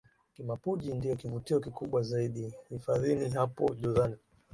Kimapunju ndio kivutio kikubwa zaidi hifadhini hapo jozani